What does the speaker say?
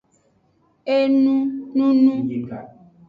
Enununu.